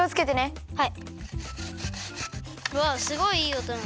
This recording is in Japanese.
はい。